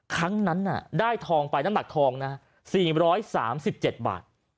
ครั้งนั้นได้ทองไปน้ำหนักทองนะ๔๓๗บาท